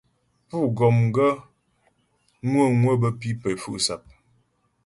Pú gɔm gaə́ ŋwə̌ŋwə bə́ pǐ pə́ fu'sap.